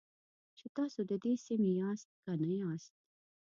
چې تاسو د دې سیمې یاست که نه یاست.